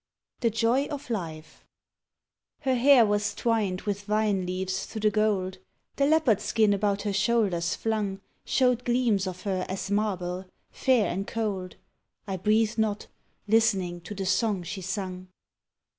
THE JOY OF LIFE Her hair was twined with vine leaves thro' the gold, The leopard skin about her shoulders flung Showed gleams of her as marble fair and cold; I breathed not listening to the song she sung.